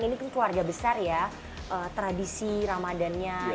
ini kan keluarga besar ya tradisi ramadhan nya itu apa